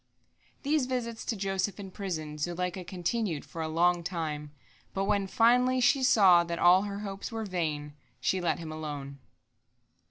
These visits to Joseph in prison Zuleika continued for a long time, but when, finally, she saw that all her hopes were vain, she let him alone.